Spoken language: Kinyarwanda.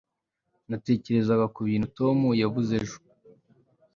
natekerezaga kubintu tom yavuze ejo